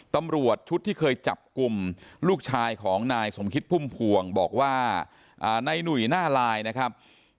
ตำรวจชุดที่เคยจับกลุ่มลูกชายของนายสมคิดพุ่มพวงบอกว่านายหนุ่ยหน้าลายนะครับ